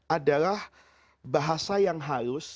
adalah bahasa yang halus